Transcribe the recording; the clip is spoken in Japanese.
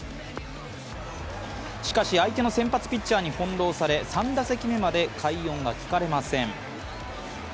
しかし、相手の先発ピッチャーに翻弄され３打席目まで快音が聞かれません。